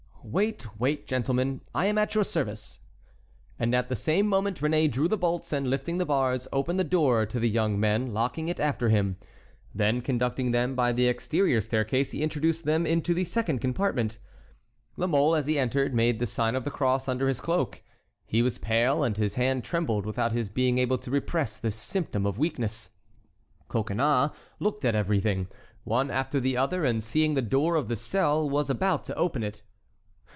"Wait, wait, gentlemen, I am at your service." And at the same moment Réné drew the bolts and, lifting the bars, opened the door to the two young men locking it after him. Then, conducting them by the exterior staircase, he introduced them into the second compartment. La Mole, as he entered, made the sign of the cross under his cloak. He was pale, and his hand trembled without his being able to repress this symptom of weakness. Coconnas looked at everything, one after the other; and seeing the door of the cell, was about to open it.